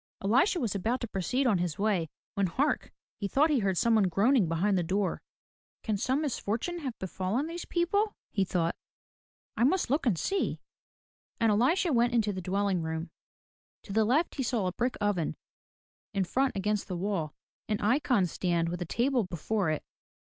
Elisha was about to proceed on his way when Hark! he thought he heard some one groaning behind the door. 156 FROM THE TOWER WINDOW "Can some misfortune have befallen these people? '' he thought. "I must look and see/* And Elisha went into the dwelling room. To the left he saw a brick oven, in front against the wall, an icon stand with a table before it.